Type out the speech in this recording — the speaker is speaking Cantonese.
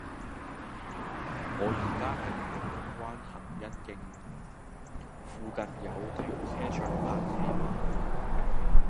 我依家喺愉景灣蘅欣徑，附近有停車場泊車嗎